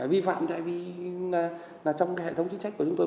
vi phạm tại vì trong cái hệ thống chính trách của chúng tôi